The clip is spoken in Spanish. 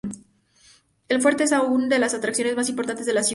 El fuerte es aún una de las atracciones más importantes de la ciudad.